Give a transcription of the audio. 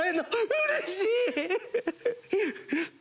うれしい！